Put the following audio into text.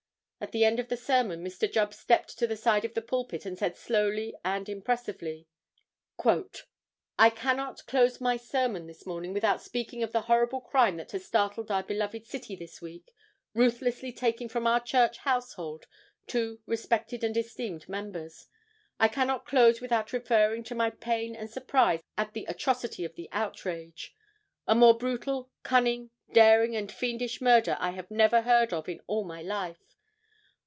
At the end of the sermon Mr. Jubb stepped to the side of the pulpit and said slowly and impressively: "I cannot close my sermon this morning without speaking of the horrible crime that has startled our beloved city this week, ruthlessly taking from our church household two respected and esteemed members. I cannot close without referring to my pain and surprise at the atrocity of the outrage. A more brutal, cunning, daring and fiendish murder I never heard of in all my life.